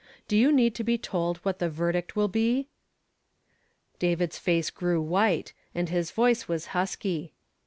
Do you need to be told what the verdict will be?" David's face grew white, and liis voice was husky.